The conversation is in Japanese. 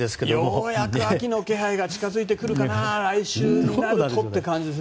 ようやく秋の気配が近づいてくるかな来週になるとという感じです。